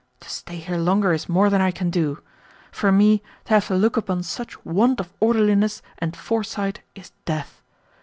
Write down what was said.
To stay here longer is more than I can do. For me, to have to look upon such want of orderliness and foresight is death.